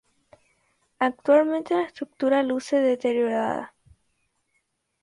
Actualmente la estructura luce deteriorada.